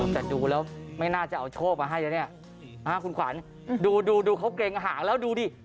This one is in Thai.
แต่ดูแล้วไม่น่าจะเอาโชคมาให้แล้วเนี่ยคุณขวัญดูดูเขาเกรงหางแล้วดูดิ